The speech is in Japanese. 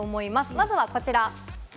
まずはこちら。